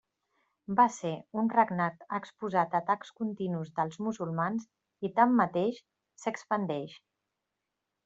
Va ser un regnat exposat a atacs continus dels musulmans i tanmateix, s'expandeix.